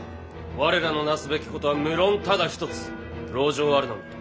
我らのなすべきことは無論ただ一つ籠城あるのみ。